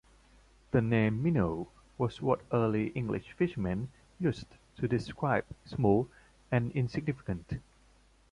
The name "minnow" was what early English fisherman used to describe "small and insignificant".